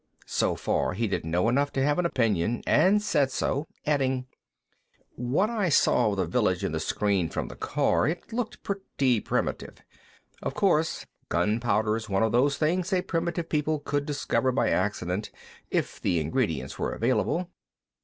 So far, he didn't know enough to have an opinion, and said so, adding: "What I saw of the village in the screen from the car, it looked pretty primitive. Of course, gunpowder's one of those things a primitive people could discover by accident, if the ingredients were available."